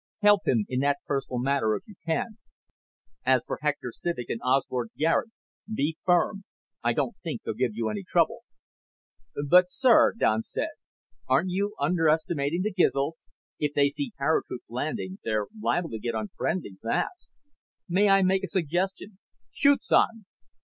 Help him in that personal matter if you can. As for Hector Civek and Osbert Garet, be firm. I don't think they'll give you any trouble." "But, sir," Don said. "Aren't you underestimating the Gizls? If they see paratroops landing they're liable to get unfriendly fast. May I make a suggestion?" "Shoot, son."